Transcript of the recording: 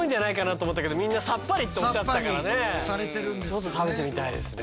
ちょっと食べてみたいですね。